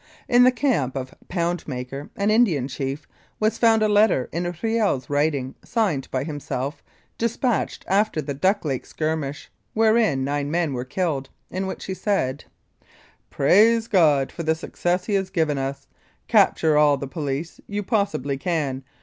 In the camp of Poundmaker, an Indian Chief, was found a letter in Kiel's writing, signed by himself, dispatched after the Duck Lake skirmish, wherein nine men were killed, in which he said : "Praise God for the success he has given us. Capture all the police you possibly can.